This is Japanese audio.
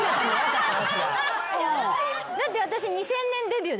だって私。